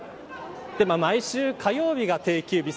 毎週火曜日が定休日。